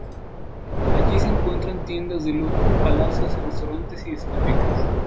Allí se encuentran tiendas de lujo, palacios, restaurantes y discotecas.